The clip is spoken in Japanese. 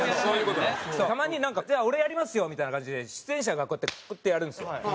たまになんか「じゃあ俺やりますよ」みたいな感じで出演者がこうやってやるんですよ。